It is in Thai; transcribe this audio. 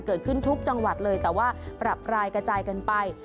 ทุกจังหวัดเลยแต่ว่าปรับรายกระจายกันไป